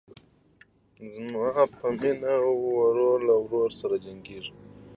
زما په مینه ورور له ورور سره جنګیږي